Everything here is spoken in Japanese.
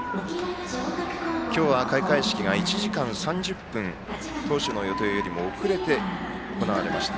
今日は開会式が、１時間３０分当初の予定よりも遅れて行われました。